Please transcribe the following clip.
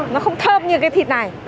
nó không thơm như cái thịt này